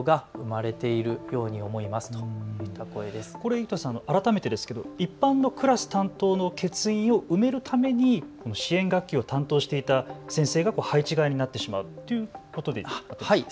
生田さん、改めて一般のクラス担当の欠員を埋めるために支援学級を担当していた先生が配置換えになってしまうということですよね。